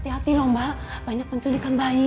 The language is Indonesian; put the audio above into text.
hati dua loh mbak banyak penculikan bayi